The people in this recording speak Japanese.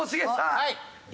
はい。